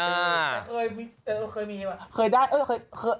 ทำไมเวลาสถาปัญญาตัวเองเป็นไฮโซ